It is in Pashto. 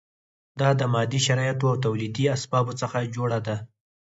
دا د مادي شرایطو او تولیدي اسبابو څخه جوړه ده.